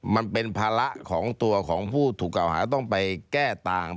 มันเป็นภาระของตัวของผู้ถูกเก่าหาต้องไปแก้ต่าง